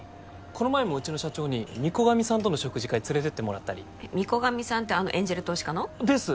この前もうちの社長に御子神さんとの食事会連れてってもらったり御子神さんってエンジェル投資家の？です！